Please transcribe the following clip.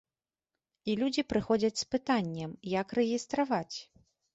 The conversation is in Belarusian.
І людзі прыходзяць з пытаннем, як рэгістраваць.